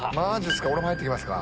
俺も入ってきますか。